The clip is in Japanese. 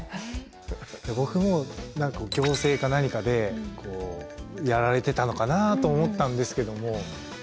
僕も行政か何かでやられてたのかなと思ったんですけども。